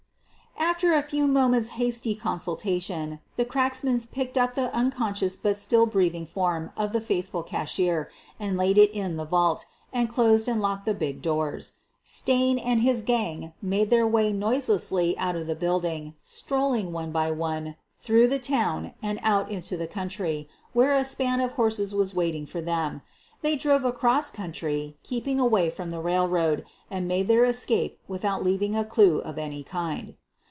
After a few moments' hasty consultation the cracksmen picked up the unconscious but still breath ing form of the faithful cashier and laid it in the vault, and closed and locked the big doors. Stain and his gang made their way noiselessly out of the building, strolling, one by one, through the town and out into the country, where a span of horses was waiting for them. They drove across country, keeping away from the railroad, and made their escape without leaving a clue of any kind.